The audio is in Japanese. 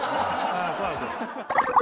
そうなんですよ。